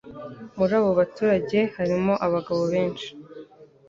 Muri abo baturage harimo abagabo benshi.